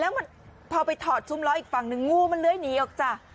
แล้วมันพอไปถอดชุ่มล้ออีกฝั่งหนึ่งงูมันเลื้อยหนีออกจ้ะ